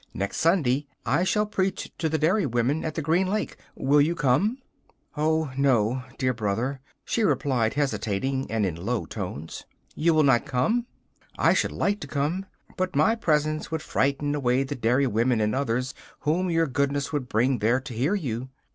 'Next Sunday I shall preach to the dairy women at the Green Lake; will you come?' 'Oh, no, dear Brother,' she replied hesitating and in low tones. 'You will not come?' 'I should like to come, but my presence would frighten away the dairy women and others whom your goodness would bring there to hear you.